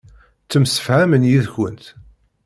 Ttemsefhamen yid-kent.